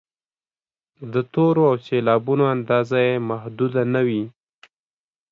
د تورو او سېلابونو اندازه یې محدوده نه وي.